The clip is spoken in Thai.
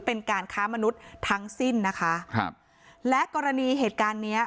เป็นการค้ามนุษย์ทั้งสิ้นนะคะครับและกรณีเหตุการณ์เนี้ย